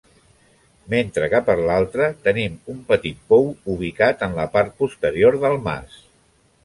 Mentre que per l'altra, tenim un petit pou ubicat en la part posterior del mas.